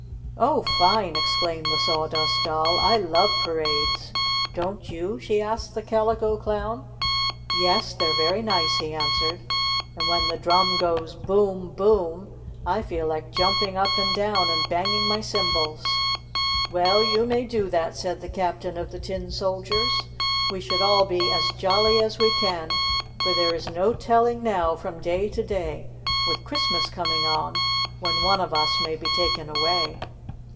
"Oh, fine !" exclaimed the Sawdust Doll. "I love parades! Don't you?" she asked the^. Calico Clown. "Yes, they're very nice," he answered. "And when the drum goes 'Boom ! Boom !' IN AN AUTOMOBILE 41 I feel like jumping up and down and bang ing my cymbals.' ' "Well, you may do that," said the cap tain of the Tin Soldiers. "We should all be as jolly as we can, for there is no tell ing now, from day to day, with Christmas coming on, when one of us may be taken away."